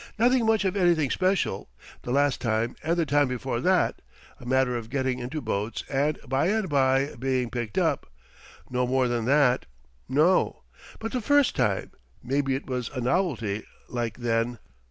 Nothing much of anything special, the last time and the time before that a matter of getting into boats and by and by being picked up no more than that no. But the first time maybe it was a novelty like then.